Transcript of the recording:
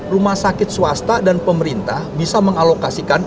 rumah sakit swasta dan pemerintah bisa mengalokasikan